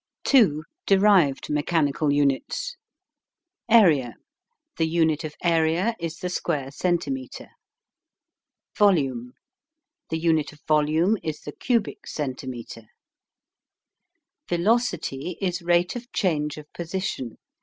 II. DERIVED MECHANICAL UNITS. Area. The unit of area is the square centimetre. Volume. The unit of volume is the CUBIC CENTIMETRE. VELOCITY is rate of change of position.